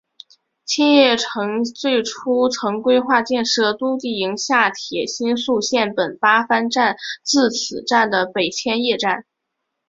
千叶新城最初曾规划建设都营地下铁新宿线本八幡站至此站的北千叶线。